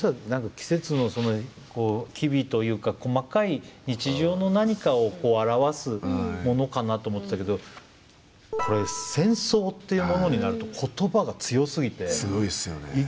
季節の機微というか細かい日常の何かを表すものかなと思ってたけどこれ戦争っていうものになると言葉が強すぎて。